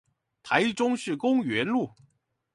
台中市公園路